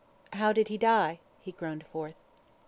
"How did he die?" he groaned forth.